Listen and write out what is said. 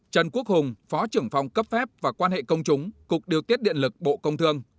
trần quốc hùng phó trưởng phòng cấp phép và quan hệ công chúng cục điều tiết điện lực bộ công thương